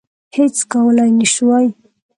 هیڅ کولای نه سوای.